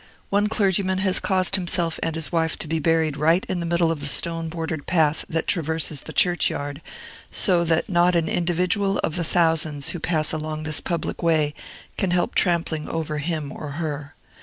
One clergyman has caused himself and his wife to be buried right in the middle of the stone bordered path that traverses the churchyard; so that not an individual of the thousands who pass along this public way can help trampling over him or her.